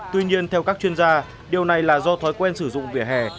tuy nhiên theo các chuyên gia điều này là do thói quen sử dụng vỉa hè